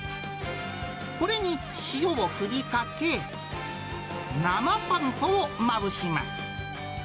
これに塩を振りかけ、生パン粉をまぶします。